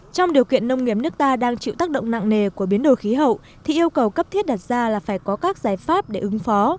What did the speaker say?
trong điều kiện nông nghiệp nước ta đang chịu tác động nặng nề của biến đổi khí hậu thì yêu cầu cấp thiết đặt ra là phải có các giải pháp để ứng phó